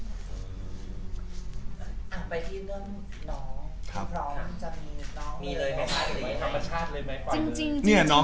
อักไปที่เรื่องน้อง